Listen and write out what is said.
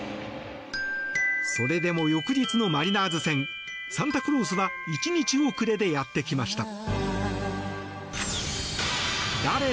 それでも翌日のマリナーズ戦サンタクロースは１日遅れでやってきました。